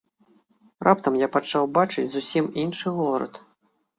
Раптам я пачаў бачыць зусім іншы горад!